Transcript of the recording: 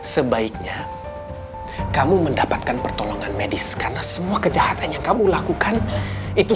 sebaiknya kamu mendapatkan pertolongan medis karena semua kejahatan yang kamu lakukan itu